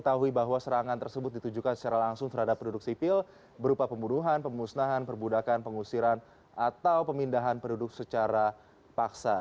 kita ketahui bahwa serangan tersebut ditujukan secara langsung terhadap penduduk sipil berupa pembunuhan pemusnahan perbudakan pengusiran atau pemindahan penduduk secara paksa